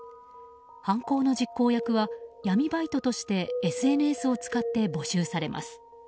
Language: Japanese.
犯行の実行役は闇バイトとしてＳＮＳを使って募集されます。